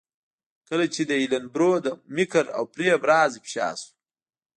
کله چې د ایلن برو د مکر او فریب راز افشا شو.